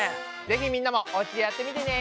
ぜひみんなもおうちでやってみてね。